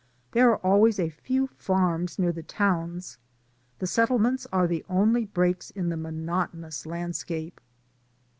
There are always a few farms near the towns. The settlements are the only breaks in the monotonous landscape.